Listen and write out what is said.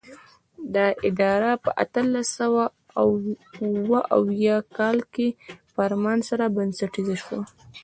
دا اداره په اتلس سوه اوه اویا کال کې په فرمان سره بنسټیزه شوه.